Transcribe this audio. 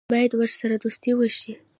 باید ورسره دوستي وشي.